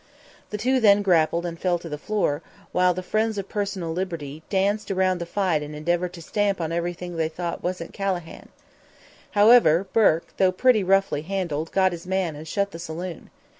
The two then grappled and fell on the floor, while the "friends of personal liberty" danced around the fight and endeavored to stamp on everything they thought wasn't Calahan. However, Bourke, though pretty roughly handled, got his man and shut the saloon.